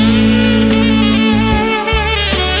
คำเพราะว่า